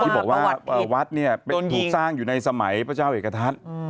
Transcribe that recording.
ที่บอกว่าวัดเนี่ยถูกสร้างอยู่ในสมัยพระเจ้าเอกทัศน์